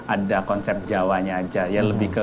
ada konsep jawa nya aja ya lebih ke